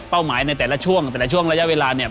หมายในแต่ละช่วงแต่ละช่วงระยะเวลาเนี่ย